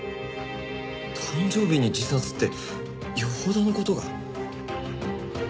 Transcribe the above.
誕生日に自殺ってよほどの事が？